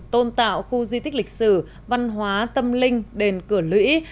tôn tạo khu di tích lịch sử văn hóa tâm linh đền cửa lũy